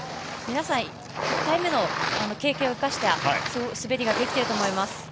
皆さん、１回目の経験を生かした滑りができていると思います。